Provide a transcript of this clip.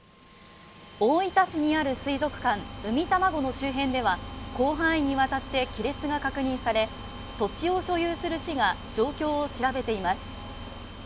大分市にある水族館、うみたまごの周辺では広範囲にわたって亀裂が確認され、土地を所有する市が状況を調べています。